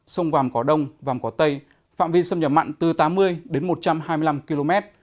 sông vàm cỏ đông vàm cỏ tây phạm vi sâm nhập mặn từ tám mươi đến một trăm hai mươi năm km